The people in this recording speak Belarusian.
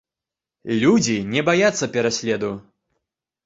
Людзі не баяцца пераследу!